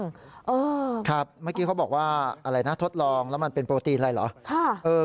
เมื่อกี้เขาบอกว่าอะไรนะทดลองแล้วมันเป็นโปรตีนอะไรเหรอ